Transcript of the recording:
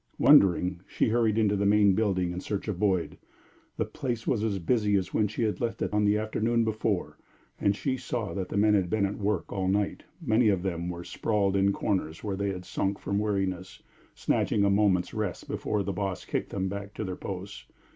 Wondering, she hurried into the main building in search of Boyd. The place was as busy as when she had left it on the afternoon before, and she saw that the men had been at work all night; many of them were sprawled in corners, where they had sunk from weariness, snatching a moment's rest before the boss kicked them back to their posts.